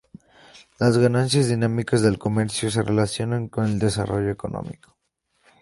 Las ganancias dinámicas del comercio se relacionan con el desarrollo económico.